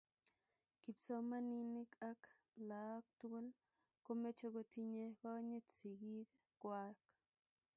kipsomaninik ak laak tokol komeche kotinye konyit sikiik kwach